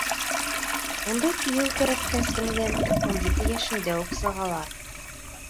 Ундай кейәү кәрәккәс, һеңлем, ун ете йәшеңдә үк сығалар!